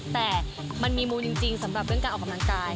แต่มันมีมุมจริงสำหรับการออกกำลังกาย